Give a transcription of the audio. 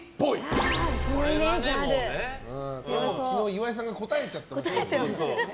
昨日、岩井さんが答えちゃってましたけど。